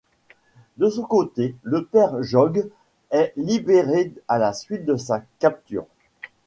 De son côté, le père Jogues est libéré à la suite de sa capture.